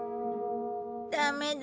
ダメだ。